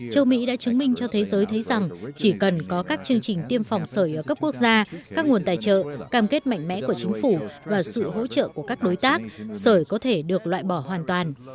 châu mỹ đã chứng minh cho thế giới thấy rằng chỉ cần có các chương trình tiêm phòng sởi ở cấp quốc gia các nguồn tài trợ cam kết mạnh mẽ của chính phủ và sự hỗ trợ của các đối tác sở có thể được loại bỏ hoàn toàn